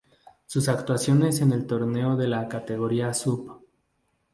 Sus actuaciones en el torneo de la categoría sub.